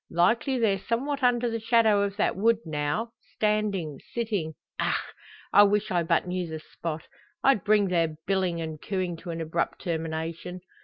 Likely, they're somewhat under the shadow of that wood, now standing sitting ach! I wish I but knew the spot; I'd bring their billing and cooing to an abrupt termination.